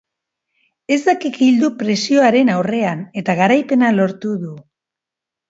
Ez da kikildu presioaren aurrean, eta garaipena lortu du.